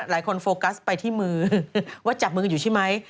โฟกัสไปที่มือว่าจับมือกันอยู่ใช่ไหม